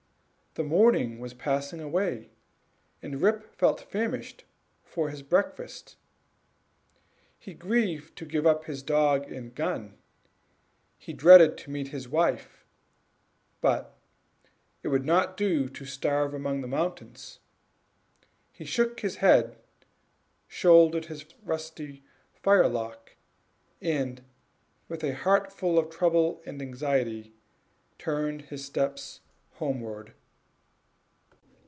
the morning was passing away, and Rip felt famished for want of his breakfast. He grieved to give up his dog and gun; he dreaded to meet his wife; but it would not do to starve among the mountains. He shook his head, shouldered the rusty firelock, and, with a heart full of trouble and anxiety, turned his steps homeward.